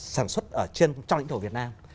sản xuất ở trên trong lĩnh thổ việt nam